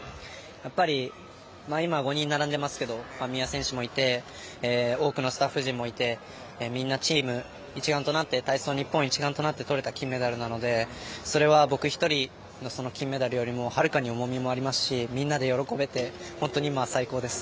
やっぱり今、５人並んでいますけど三輪選手もいて多くのスタッフ陣もいてみんなチーム一丸となって体操日本一丸となってとれた金メダルなのでそれは僕１人の金メダルよりもはるかに重みもありますしみんなで喜べて本当に今は最高です。